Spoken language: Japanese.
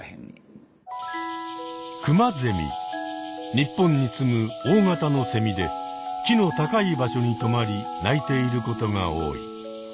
日本に住む大型のセミで木の高い場所にとまり鳴いていることが多い。